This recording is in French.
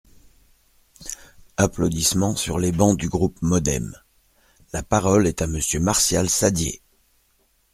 (Applaudissements sur les bancs du groupe MODEM.) La parole est à Monsieur Martial Saddier.